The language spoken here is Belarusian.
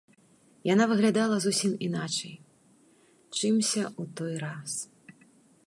Яна выглядала зусім іначай, чымся ў той раз.